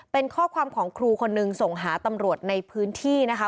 เป็นข้อความของครูคนนึงส่งหาตำรวจในพื้นที่นะคะ